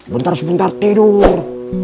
bentar sebentar tidur